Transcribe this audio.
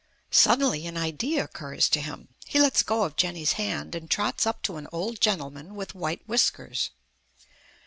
Suddenly an idea occurs to him. He lets go of Jenny's hand and trots up to an old gentleman with white whiskers.